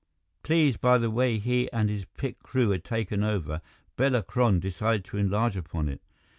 Pleased by the way he and his picked crew had taken over, Bela Kron decided to enlarge upon it.